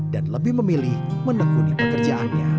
dan lebih memilih menekuni pekerjaannya